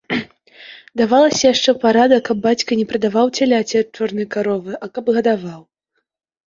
Давалася яшчэ парада, каб бацька не прадаваў цяляці ад чорнай каровы, а каб гадаваў.